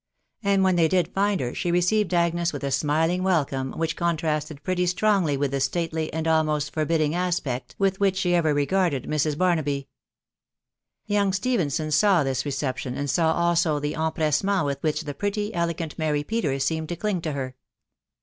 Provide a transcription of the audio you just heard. .... And when they did find her, she received Agnes with a smiling welcome, which contrasted pretty strongly with the stately and almost forbidding aspect with which she ever regarded Mrs. Bar* naby. Young Stephenson saw this reception, and saw also the empressement with which the pretty, elegant Mary Peters seemed to cling to her.